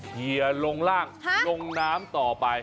เหยียลงล่างลงน้ำต่อไป